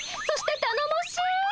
そしてたのもしい。